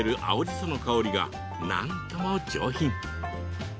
その香りがなんとも上品。